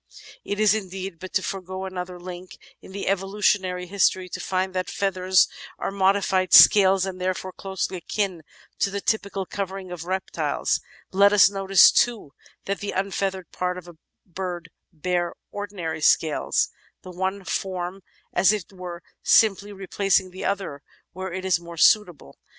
It is indeed but to forge another link in that evolutionary history to find that feathers are modified scales and therefore closely akin to the typical covering of reptiles. Let us notice, too, that the unfeathered parts of a bird bear ordinary scales, the one form, as it were, simply replac Natural Histoiy 433 ing the other where it is more suitable.